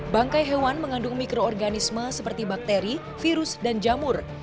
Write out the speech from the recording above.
bangkai hewan mengandung mikroorganisme seperti bakteri virus dan jamur